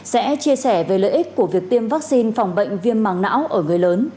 sẽ chia sẻ về lợi ích của việc tiêm vaccine phòng bệnh